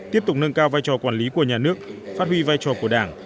tiếp tục nâng cao vai trò quản lý của nhà nước phát huy vai trò của đảng